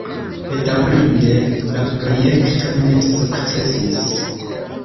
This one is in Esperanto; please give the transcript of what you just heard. Bedaŭrinde la projekto ne sukcesis.